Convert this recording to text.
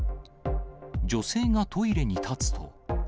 女性がトイレに立つと。